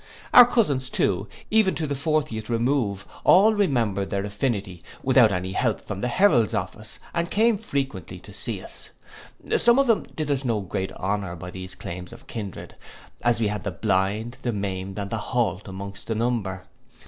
Our cousins too, even to the fortieth remove, all remembered their affinity, without any help from the Herald's office, and came very frequently to see us. Some of them did us no great honour by these claims of kindred; as we had the blind, the maimed, and the halt amongst the number.